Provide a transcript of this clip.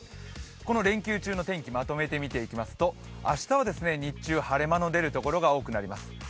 この連休中の天気をまとめて見ていきますと、明日は日中晴れ間の所が多くなります。